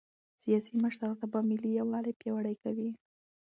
سیاسي مشرتابه ملي یووالی پیاوړی کوي